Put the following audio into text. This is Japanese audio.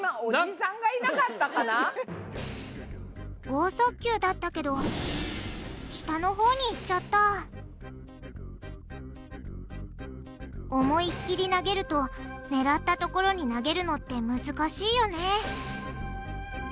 豪速球だったけど下のほうに行っちゃった思いっきり投げると狙ったところに投げるのって難しいよね